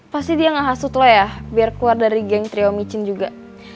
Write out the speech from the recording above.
pasti dia ngehasut loh ya biar keluar dari geng trio micin juga